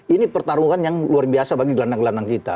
ini pertarungan yang luar biasa bagi gelandang gelandang kita